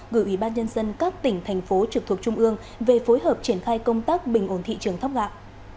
gửi ủy ban nhân dân các tỉnh thành phố trực thuộc trung ương về phối hợp triển khai công tác bình ổn thị trường thóc gạo